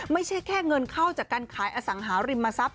ไม่ใช่แค่เงินเข้าจากการขายอสังหาริมทรัพย